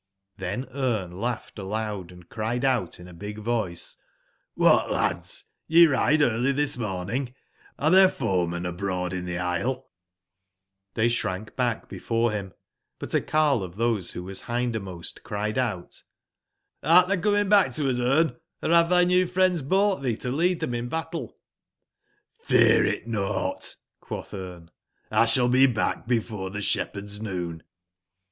^hen Brne laughed aloud and cried out in a big voice :^hat, lads t ye ride early this morn ing ; are there foemen abroad in the isle ?"j!? Xlbcy shrank back before him, but a carle of those who was hindermost cried ou t : ''Hrt thou coming back to us, Brne, or have thy new friends bought thee to lead them in battle ?''J9 ''fear it nought," quoth Brne, ''1 shall be back before the shepherd's noon.''